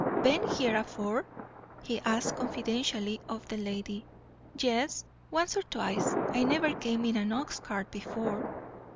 "Ben here afore?" he asked confidentially of the lady. "Yes, once or twice. I never came in an ox cart before."